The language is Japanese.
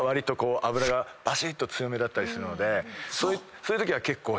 そういうときは結構。